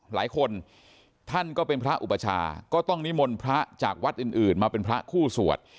หลายคนท่านก็เป็นพระอุปชาก็ต้องนิมนต์พระจากวัดอื่นมาเป็นพระคู่สวด